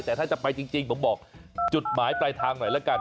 แต่ถ้าจะไปจริงผมบอกจุดหมายปลายทางหน่อยละกัน